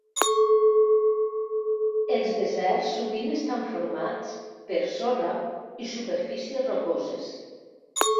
Els deserts sovint estan formats per sorra i superfícies rocoses.